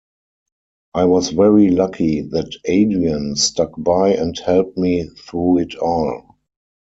I was very lucky that Adrian stuck by and helped me through it all.